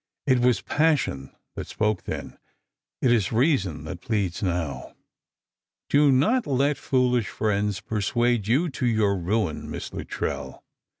It was passion that spoke then, it is reason that pleads now. Do not let foolish friends persuade you to your ruin, Miss Luttrell.